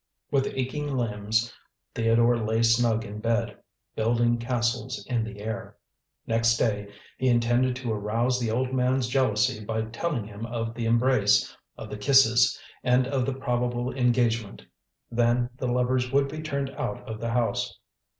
With aching limbs Theodore lay snug in bed, building castles in the air. Next day he intended to arouse the old man's jealousy by telling him of the embrace, of the kisses, and of the probable engagement. Then the lovers would be turned out of the house.